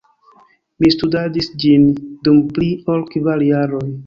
Mi studadis ĝin dum pli ol kvar jaroj.